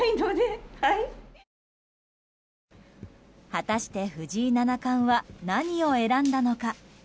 果たして藤井七冠は何を選んだのか。